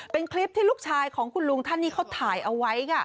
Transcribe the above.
เป็นคลิปที่ลูกชายของคุณลุงท่านนี้เขาถ่ายเอาไว้ค่ะ